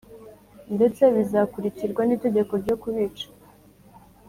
Ndetse bizakurikirwa n’itegeko ryo kubica